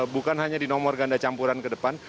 bukan hanya di nomor ganda campuran ke depan